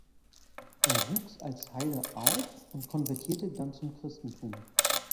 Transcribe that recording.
Er wuchs als Heide auf und konvertierte dann zum Christentum.